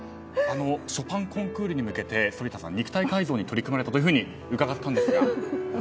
ショパンコンクールに向けて反田さん、肉体改造に取り組まれたと伺ったんですが。